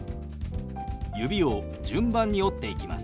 指を順番に折っていきます。